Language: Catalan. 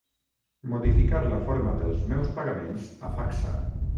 Modificar la forma dels meus pagaments a Facsa.